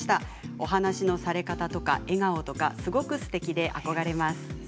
お話のされ方、笑顔とかすごくすてきで憧れます。